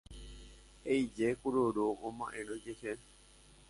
he'íje kururu oma'érõ ijehe